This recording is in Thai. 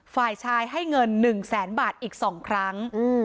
ฝ่ายชายให้เงิน๑แสนบาทอีก๒ครั้ง